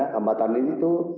hambatan ini itu